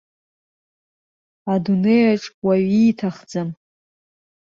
Адунеиаҿ уаҩ ииҭахӡам.